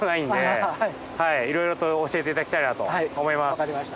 呂分かりました。